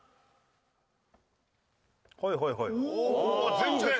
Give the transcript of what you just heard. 全然。